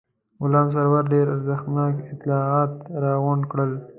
غلام سرور ډېر ارزښتناک اطلاعات راغونډ کړل.